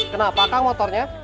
kenapa kang motornya